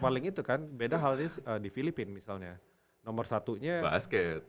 paling itu kan beda halnya di filipina misalnya nomor satunya basket